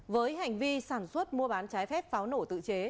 với hành vi sản xuất mua bán trái phép pháo nổ tự chế